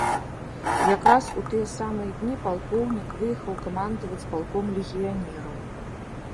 Якраз у тыя самыя дні палкоўнік выехаў камандаваць палком легіянераў.